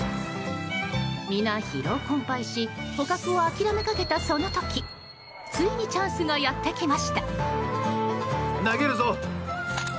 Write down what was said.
皆、疲労困憊し捕獲を諦めかけた、その時ついにチャンスがやってきました。